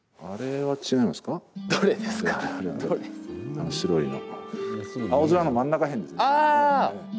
あの、白いの。